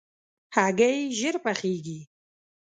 هګۍ ژر پخېږي.